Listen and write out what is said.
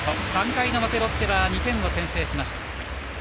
３回の表ロッテは２点を先制しました。